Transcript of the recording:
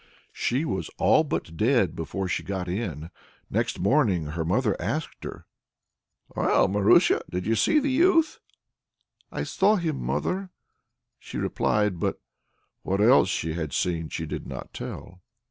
She was all but dead before she got in. Next morning her mother asked her: "Well, Marusia! did you see the youth?" "I saw him, mother," she replied. But what else she had seen she did not tell.